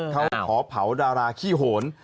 เขาขอเผาดาราขี้โหน